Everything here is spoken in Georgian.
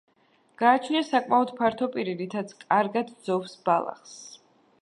გააჩნია საკმაოდ ფართო პირი, რითაც კარგად ძოვს ბალახს.